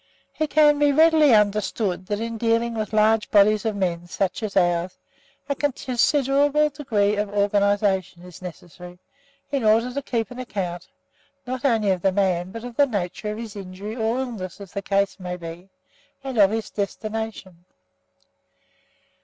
It can be readily understood that in dealing with large bodies of men, such as ours, a considerable degree of organization is necessary, in order to keep an account, not only of the man, but of the nature of his injury (or illness, as the case may be) and of his destination.